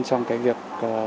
trong cái việc